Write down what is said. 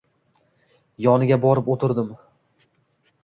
Yoniga borib o`tirdim